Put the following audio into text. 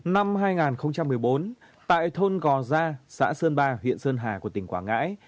năm hai nghìn một mươi bốn tại thôn gò gia xã sơn ba huyện sơn hà của tỉnh quảng ngãi